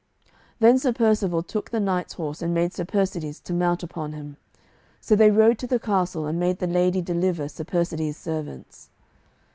Then Sir Percivale took the knight's horse, and made Sir Persides to mount upon him. So they rode to the castle, and made the lady deliver Sir Persides' servants.